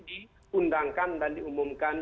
diundangkan dan diumumkan